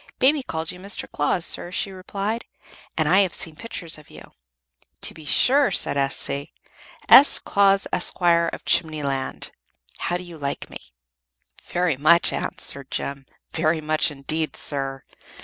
"Baby called you 'Mr. Claus,' sir," she replied; "and I have seen pictures of you." "To be sure," said S.C. "S. Claus, Esquire, of Chimneyland. How do you like me?" "Very much," answered Jem; "very much, indeed, sir."